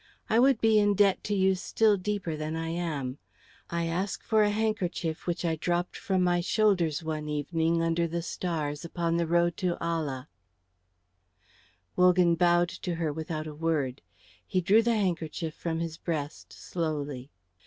I would be in debt to you still deeper than I am. I ask for a handkerchief which I dropped from my shoulders one evening under the stars upon the road to Ala." Wogan bowed to her without a word. He drew the handkerchief from his breast slowly.